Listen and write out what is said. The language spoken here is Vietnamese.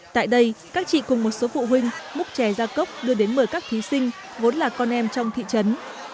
tại đây các chị cùng một số phụ huynh múc chè ra cốc đưa đến mời các thí sinh vốn là con em trong thị trấn